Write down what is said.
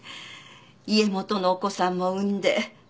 家元のお子さんも産んで。